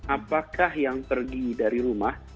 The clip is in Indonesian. apakah yang pergi dari rumah